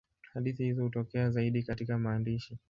Hadithi hizi hutokea zaidi katika maandishi.